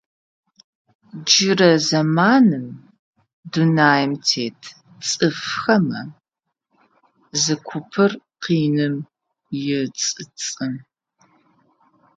Джырэ зэманым, дунаим тет цӏыфхэмэ, зы купыр къиным ецӏыцӏы.